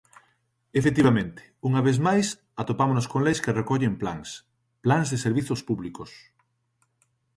Efectivamente, unha vez máis, atopámonos con leis que recollen plans, plans de servizos públicos.